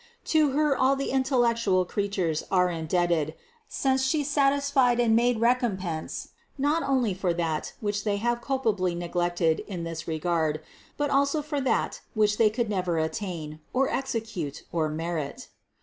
To Her all the intel lectual creatures are indebted, since She satisfied and made recompense not only for that which they have culpably neglected in this regard, but also for that which they could never attain, or execute, or merit.